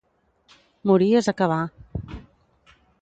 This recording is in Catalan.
Morir és acabar.